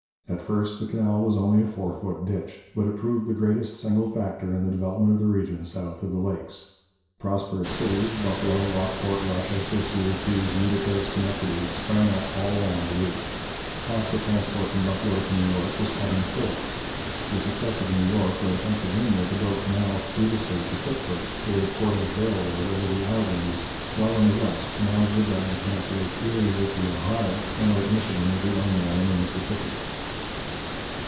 At first the canal was only a four foot ditch, but it proved the greatest single factor in the development of the region south of the Lakes. Prosperous cities Buffalo, Lockport, Rochester, Syracuse, Utica, Schenectady sprang up all along the route. Cost of transport from Buffalo to New York was cut in four. The success of New York led Pennsylvania to build canals through the state to Pittsburg, with a portage railroad over the Alleghanies, while in the west canals were dug to connect Lake Erie with the Ohio, and Lake Michigan with the Illinois and the Mississippi.